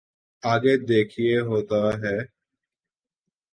آگے دیکھئے ہوتا ہے۔